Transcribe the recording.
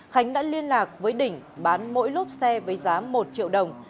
khánh đã liên lạc với đỉnh bán mỗi lốp xe với giá một triệu đồng